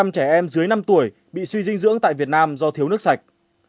hai mươi bảy trẻ em dưới năm tuổi bị suy dinh dưỡng tại việt nam do thiếu nước sạch